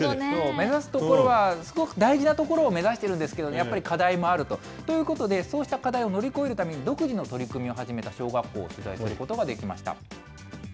目指すところはすごく大事なところを目指してるんですけど、やっぱり課題もあると。ということで、そうした課題を乗り越えるために、独自の取り組みを始めた小学校を取材することができました。